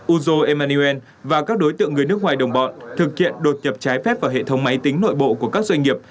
uzo emmanuel và các đối tượng người nước ngoài đồng bọn thực hiện đột nhập trái phép vào hệ thống máy tính nội bộ của các doanh nghiệp